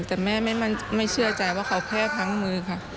แต่แม่ไม่เชื่อใจว่าเขาแค่พลั้งมือค่ะ